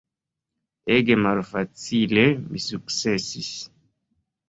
Ege malfacile mi sukcesis.